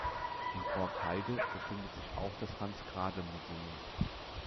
In Borkheide befindet sich auch das Hans Grade Museum.